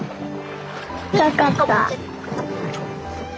深かった。